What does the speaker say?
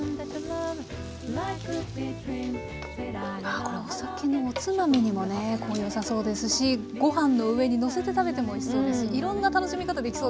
ああこれお酒のおつまみにもね良さそうですしご飯の上にのせて食べてもおいしそうですしいろんな楽しみ方できそうですね。